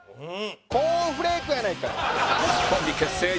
コーンフレークやないかい！